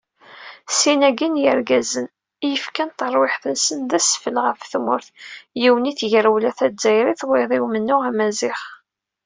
Sin-agi n yirgazen, i yefkan tarwiḥt-nsen d asfel ɣef tmurt, yiwen i tegrawla tazzayrit, wayeḍ i umennuɣ amaziɣ.